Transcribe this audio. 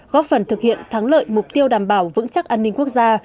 góp phần thực hiện thắng lợi mục tiêu đảm bảo vững chắc an ninh quốc gia